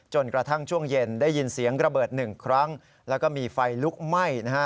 กระทั่งช่วงเย็นได้ยินเสียงระเบิดหนึ่งครั้งแล้วก็มีไฟลุกไหม้นะฮะ